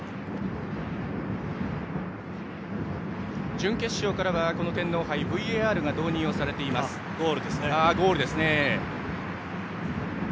準決勝からは天皇杯ＶＡＲが導入されていますがゴールですね。